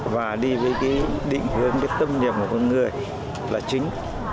và đi với định hướng tâm nhận của con người là chính